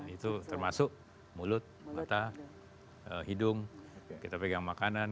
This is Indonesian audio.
itu termasuk mulut mata hidung kita pegang makanan